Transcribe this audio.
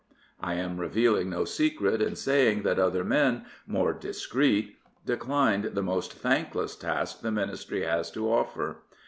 I am revealing no secret in saying that other men, more discreet, declined the most thankless task the Ministry has to offer.